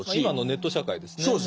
まあ今のネット社会ですね。